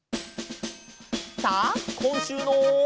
さあこんしゅうの。